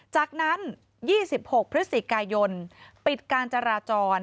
จากนั้น๒๖พฤศจิกายนปิดการจราจร